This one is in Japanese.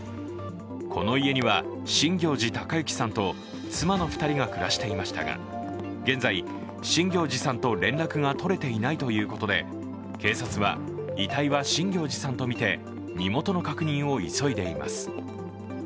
この家には新行内隆之さんと妻の２人が暮らしていましたが現在、新行内さんと連絡が取れていないということで警察は遺体は新行内さんとみて身元の確認を急いでいます。